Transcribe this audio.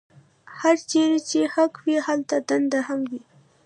هرچېرې چې حق وي هلته دنده هم وي.